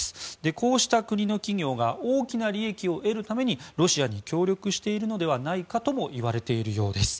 こうした国の企業が大きな利益を得るためにロシアに協力しているのではないかともいわれているようです。